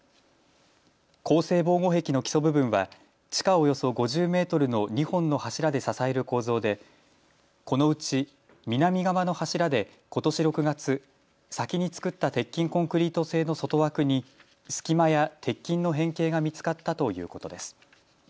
鋼製防護壁の基礎部分は地下およそ５０メートルの２本の柱で支える構造でこのうち南側の柱でことし６月、先に作った鉄筋コンクリート製の外枠に隙間や鉄筋の変形が見つかったということです。